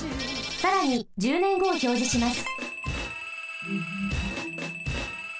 さらに１０ねんごをひょうじします。